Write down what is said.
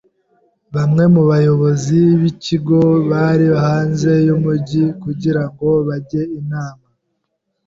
Bamwe mu bayobozi b'ikigo bari hanze yumujyi kugirango bajye inama.